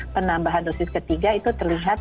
penambahan dosis ketiga itu terlihat